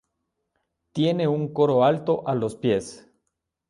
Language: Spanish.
Tiene un coro alto a los pies.